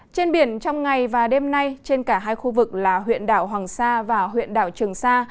trên biển trong ngày và đêm nay trên cả hai khu vực là huyện đảo hoàng sa và huyện đảo trường sa